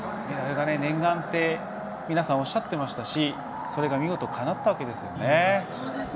念願って皆さんおっしゃっていましたしそれが見事かなったわけですよね。